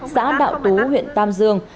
xã đạo tú huyện tam dương